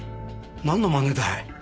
なんのまねだい？